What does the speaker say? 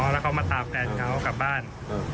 แล้วเขามาตามแฟนเขากลับบ้าน